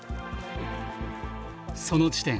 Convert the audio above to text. その地点